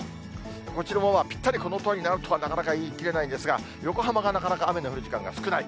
こちらもぴったりこのとおりにとはなかなか言い切れないんですが、横浜がなかなか雨の降る時間が少ない。